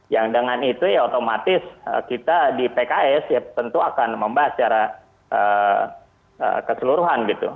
yang dengan itu ya otomatis kita di pks ya tentu akan membahas secara keseluruhan gitu